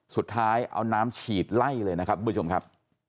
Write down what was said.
สุดท้ายเอาน้ำฉีดไล่เลยนะครับทุกผู้ชมครับ